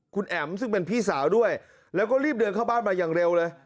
คุณแอ๋มซึ่งเป็นพี่สาวด้วยแล้วก็รีบเดินเข้าบ้านมาอย่างเร็วเลย